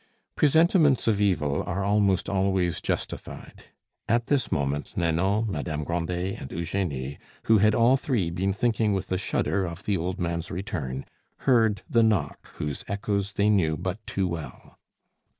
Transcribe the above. Presentiments of evil are almost always justified. At this moment Nanon, Madame Grandet, and Eugenie, who had all three been thinking with a shudder of the old man's return, heard the knock whose echoes they knew but too well.